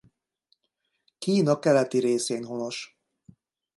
Kína keleti részén honos.